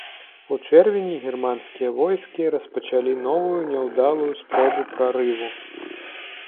У чэрвені германскія войскі распачалі новую няўдалую спробу прарыву.